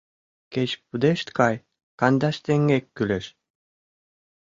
Кеч пудешт кай, кандаш теҥге кӱлеш.